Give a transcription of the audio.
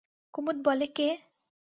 কুমুদ বলে, কে?